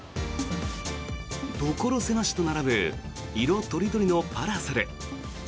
所狭しと並ぶ色とりどりのパラソル。